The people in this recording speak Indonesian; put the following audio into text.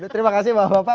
terima kasih bapak bapak